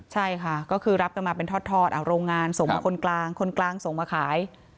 ใช่ค่ะก็คือรับกันมาเป็นทอดโรงงานส่งมาคนกลางคนกลางส่งมาขาย